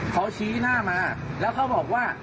เขาชี้หน้ามาแล้วเขาบอกว่า